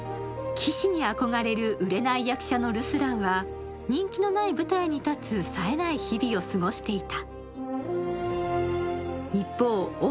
騎士に憧れる売れない役者のルスランは人気のない舞台に立つ冴えない日々を過ごしていた。